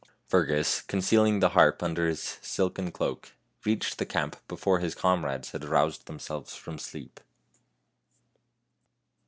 Fergus, concealing the harp under his silken cloak, reached the camp before his comrades had aroused themselves from sleep.